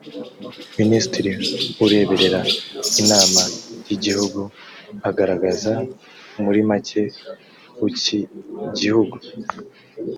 minisitiri ureberera inama y’ igihugu agaragaza murimake ukigihugu.